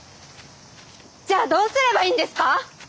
じゃあどうすればいいんですか！？